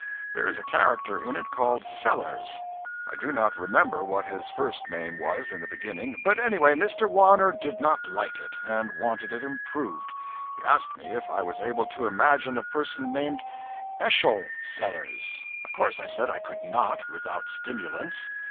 There is a character in it called 'Sellers.' I do not remember what his first name was, in the beginning; but anyway, Mr. Warner did not like it, and wanted it improved. He asked me if I was able to imagine a person named 'Eschol Sellers.' Of course I said I could not, without stimulants.